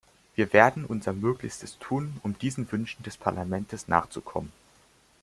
Wir werden unser Möglichstes tun, um diesen Wünschen des Parlaments nachzukommen.